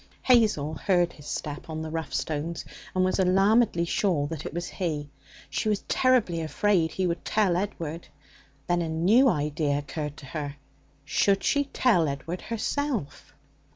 Hazel heard his step on the rough stones, and was alarmedly sure that it was he. She was terribly afraid he would tell Edward. Then a new idea occurred to her. Should she tell Edward herself?